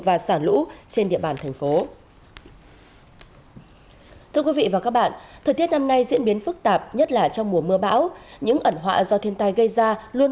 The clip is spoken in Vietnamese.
bản tin tiếp tục với thông tin về diễn biến phức tạp của triều cường tại tp hcm